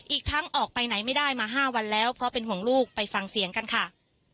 อีกทั้งออกไปไหนไม่ได้มา๕วันแล้วเพราะเป็นห่วงลูกไปฟังเสียงกันค่ะ